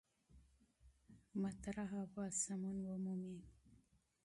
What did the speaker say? پالیسي به سمون ومومي.